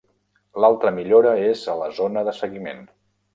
L'altra millora és a la zona de seguiment.